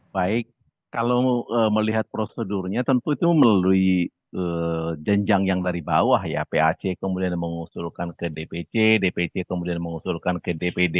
baik kalau melihat prosedurnya tentu itu melalui jenjang yang dari bawah ya pac kemudian mengusulkan ke dpc dpc kemudian mengusulkan ke dpd